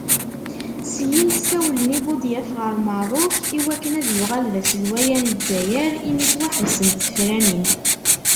Syin, ssawlen i Budyaf ɣer Merruk i waken ad yuɣal d aselwaya n Lezzayer imi ttwaḥebsent tefranin.